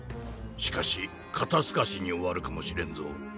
しかし肩透かしに終わるかもしれんぞ。